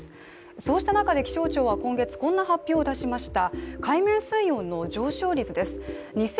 そうした中で気象庁は今月こんな発表を出しました。